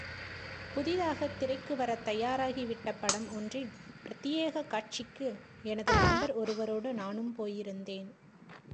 புதிதாகத் திரைக்கு வரத் தயாராகிவிட்ட படம் ஒன்றின் பிரத்தியேகக் காட்சிக்கு எனது நண்பர் ஒருவரோடு நானும் போயிருந்தேன்.